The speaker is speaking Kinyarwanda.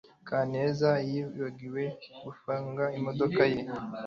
kaneza yibagiwe gufunga imodoka ye